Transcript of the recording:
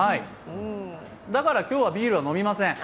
だから今日はビールは飲みません。